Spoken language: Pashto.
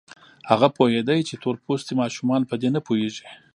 هغه پوهېده چې تور پوستي ماشومان په دې نه پوهېږي.